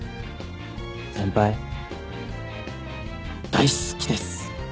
先輩大好きです！